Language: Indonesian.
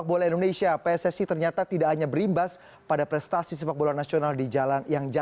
kalau ini satu paket kalau paket juga ada